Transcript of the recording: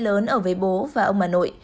lớn ở với bố và ông bà nội